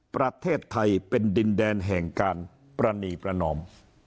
ประเทศไทยเป็นดินแดนแห่งการปรณีประนอม